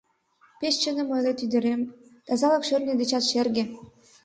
— Пеш чыным ойлет, ӱдырем, тазалык шӧртньӧ дечат шерге!